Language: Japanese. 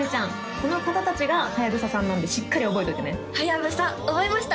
この方達がはやぶささんなんでしっかり覚えといてねはやぶさ覚えました